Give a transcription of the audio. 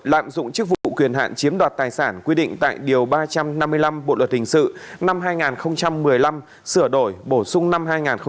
lạm dụng chức vụ quyền hạn chiếm đoạt tài sản quy định tại điều ba trăm năm mươi năm bộ luật hình sự năm hai nghìn một mươi năm sửa đổi bổ sung năm hai nghìn một mươi bảy